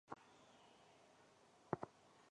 孤峰山位于中国山西省万荣县东南部。